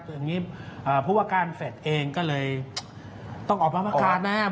อย่างนี้เพราะว่าการเฟชย์เองก็เลยต้องออกมาประกาศนะครับ